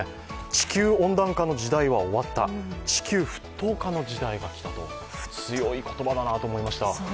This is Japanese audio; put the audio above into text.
地球温暖化の時代は終わった、地球沸騰化の時代が来たと強い言葉だなと思いました。